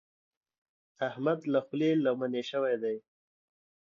احمد له خولې له لمنې شوی دی.